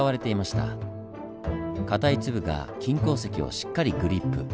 かたい粒が金鉱石をしっかりグリップ。